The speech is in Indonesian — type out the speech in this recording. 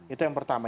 itu yang pertama